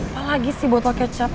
apalagi sih botol kecap